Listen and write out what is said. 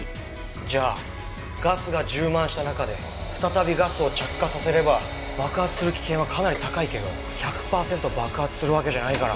じゃあガスが充満した中で再びガスを着火させれば爆発する危険はかなり高いけど１００パーセント爆発するわけじゃないから。